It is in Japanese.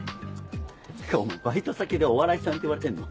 ってかお前バイト先で「お笑いさん」って言われてんの？